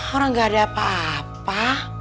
orang gak ada apa apa